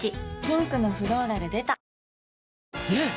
ピンクのフローラル出たねえ‼